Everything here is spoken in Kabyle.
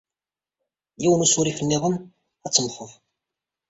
Yiwen usurif niḍen, ad temmteḍ!